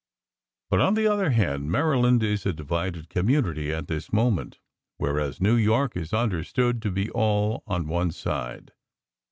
But, on the other hand, Maryland is a divided community at this moment, whereas New York is understood to be all on one side.